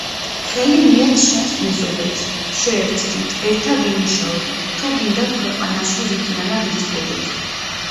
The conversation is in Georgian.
„ხელი მიეც შენს მეზობელს, შეერთდით, ერთად იმუშავეთ, თუ გინდათ ქვეყანაში რიგიანად იცხოვროთ.“